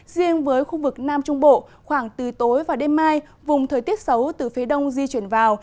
riêng với khu vực nam trung bộ khoảng từ tối và đêm mai vùng thời tiết xấu từ phía đông di chuyển vào